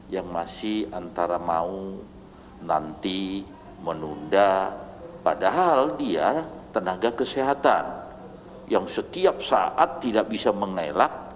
yang masih antara mau nanti menunda padahal dia tenaga kesehatan yang setiap saat tidak bisa mengelak